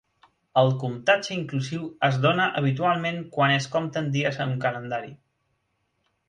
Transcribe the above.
El comptatge inclusiu es dóna habitualment quan es compten dies en un calendari.